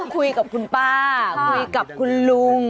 คุยกับคุณป้าคุยกับคุณลุง